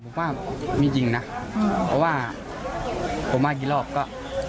ผมว่ามีจริงนะเพราะว่าผมมากี่รอบก็